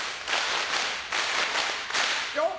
よっ！